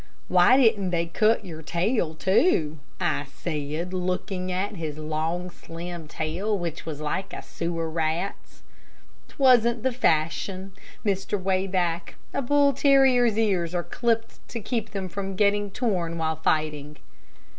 "Why didn't they cut your tail, too?" I said, looking at his long, slim tail, which was like a sewer rat's. "'Twasn't the fashion, Mr. Wayback; a bull terrier's ears are clipped to keep them from getting torn while fighting."